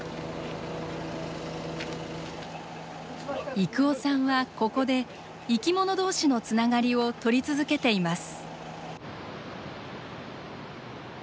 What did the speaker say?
征夫さんはここで生きもの同士のつながりを撮り続けています。